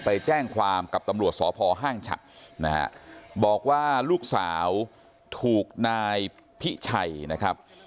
ไปแจ้งความกับตำรวจสพห้างฉะนะฮะบอกว่าลูกสาวถูกนายพิชัยนะครับ